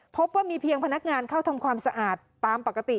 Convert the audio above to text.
พบว่ามีเพียงพนักงานเข้าทำความสะอาดตามปกติ